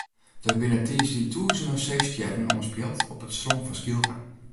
Der binne tiisdei tûzenen seestjerren oanspield op it strân fan Skylge.